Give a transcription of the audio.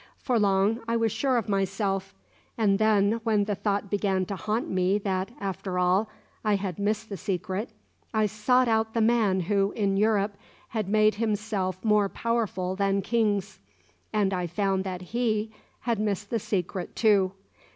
For long I was sure of myself; and then, when the thought began to haunt me that, after all, I had missed the secret, I sought out the man who, in Europe, had made himself more powerful than kings; and I found that he had missed the secret too.